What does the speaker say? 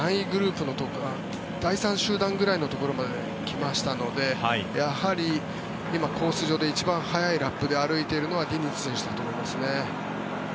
第３集団ぐらいのところまで来ましたのでやはり今、コース上で一番速いラップで歩いているのはディニズ選手だと思いますね。